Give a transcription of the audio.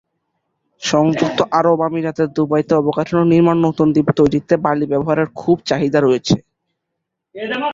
সংযুক্ত আরব আমিরাতের দুবাইতে অবকাঠামো নির্মাণ ও নতুন দ্বীপ তৈরিতে বালি ব্যবহারের খুব চাহিদা রয়েছে।